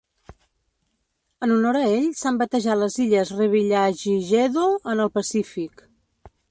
En honor a ell s'han batejat les Illes Revillagigedo en el Pacífic.